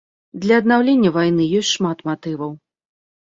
Для аднаўлення вайны ёсць шмат матываў.